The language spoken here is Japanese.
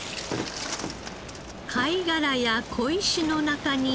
貝殻や小石の中に。